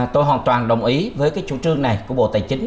tôi hoàn toàn đồng ý với cái chủ trương này của bộ tài chính